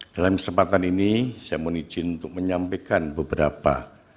dalam kesempatan ini saya mohon izin untuk menyampaikan beberapa